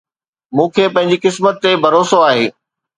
مون کي پنهنجي قسمت تي ڀروسو آهي